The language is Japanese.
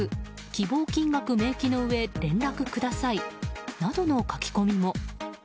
希望金額明記のうえ連絡くださいなどの書き込みも。